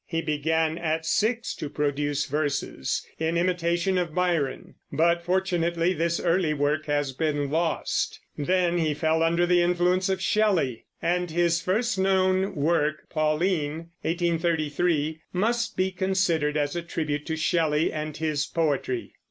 He began at six to produce verses, in imitation of Byron; but fortunately this early work has been lost. Then he fell under the influence of Shelley, and his first known work, Pauline (1833), must be considered as a tribute to Shelley and his poetry.